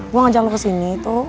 gue ngajak lo kesini tuh